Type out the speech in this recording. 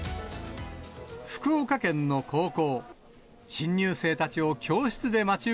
福岡県の高校。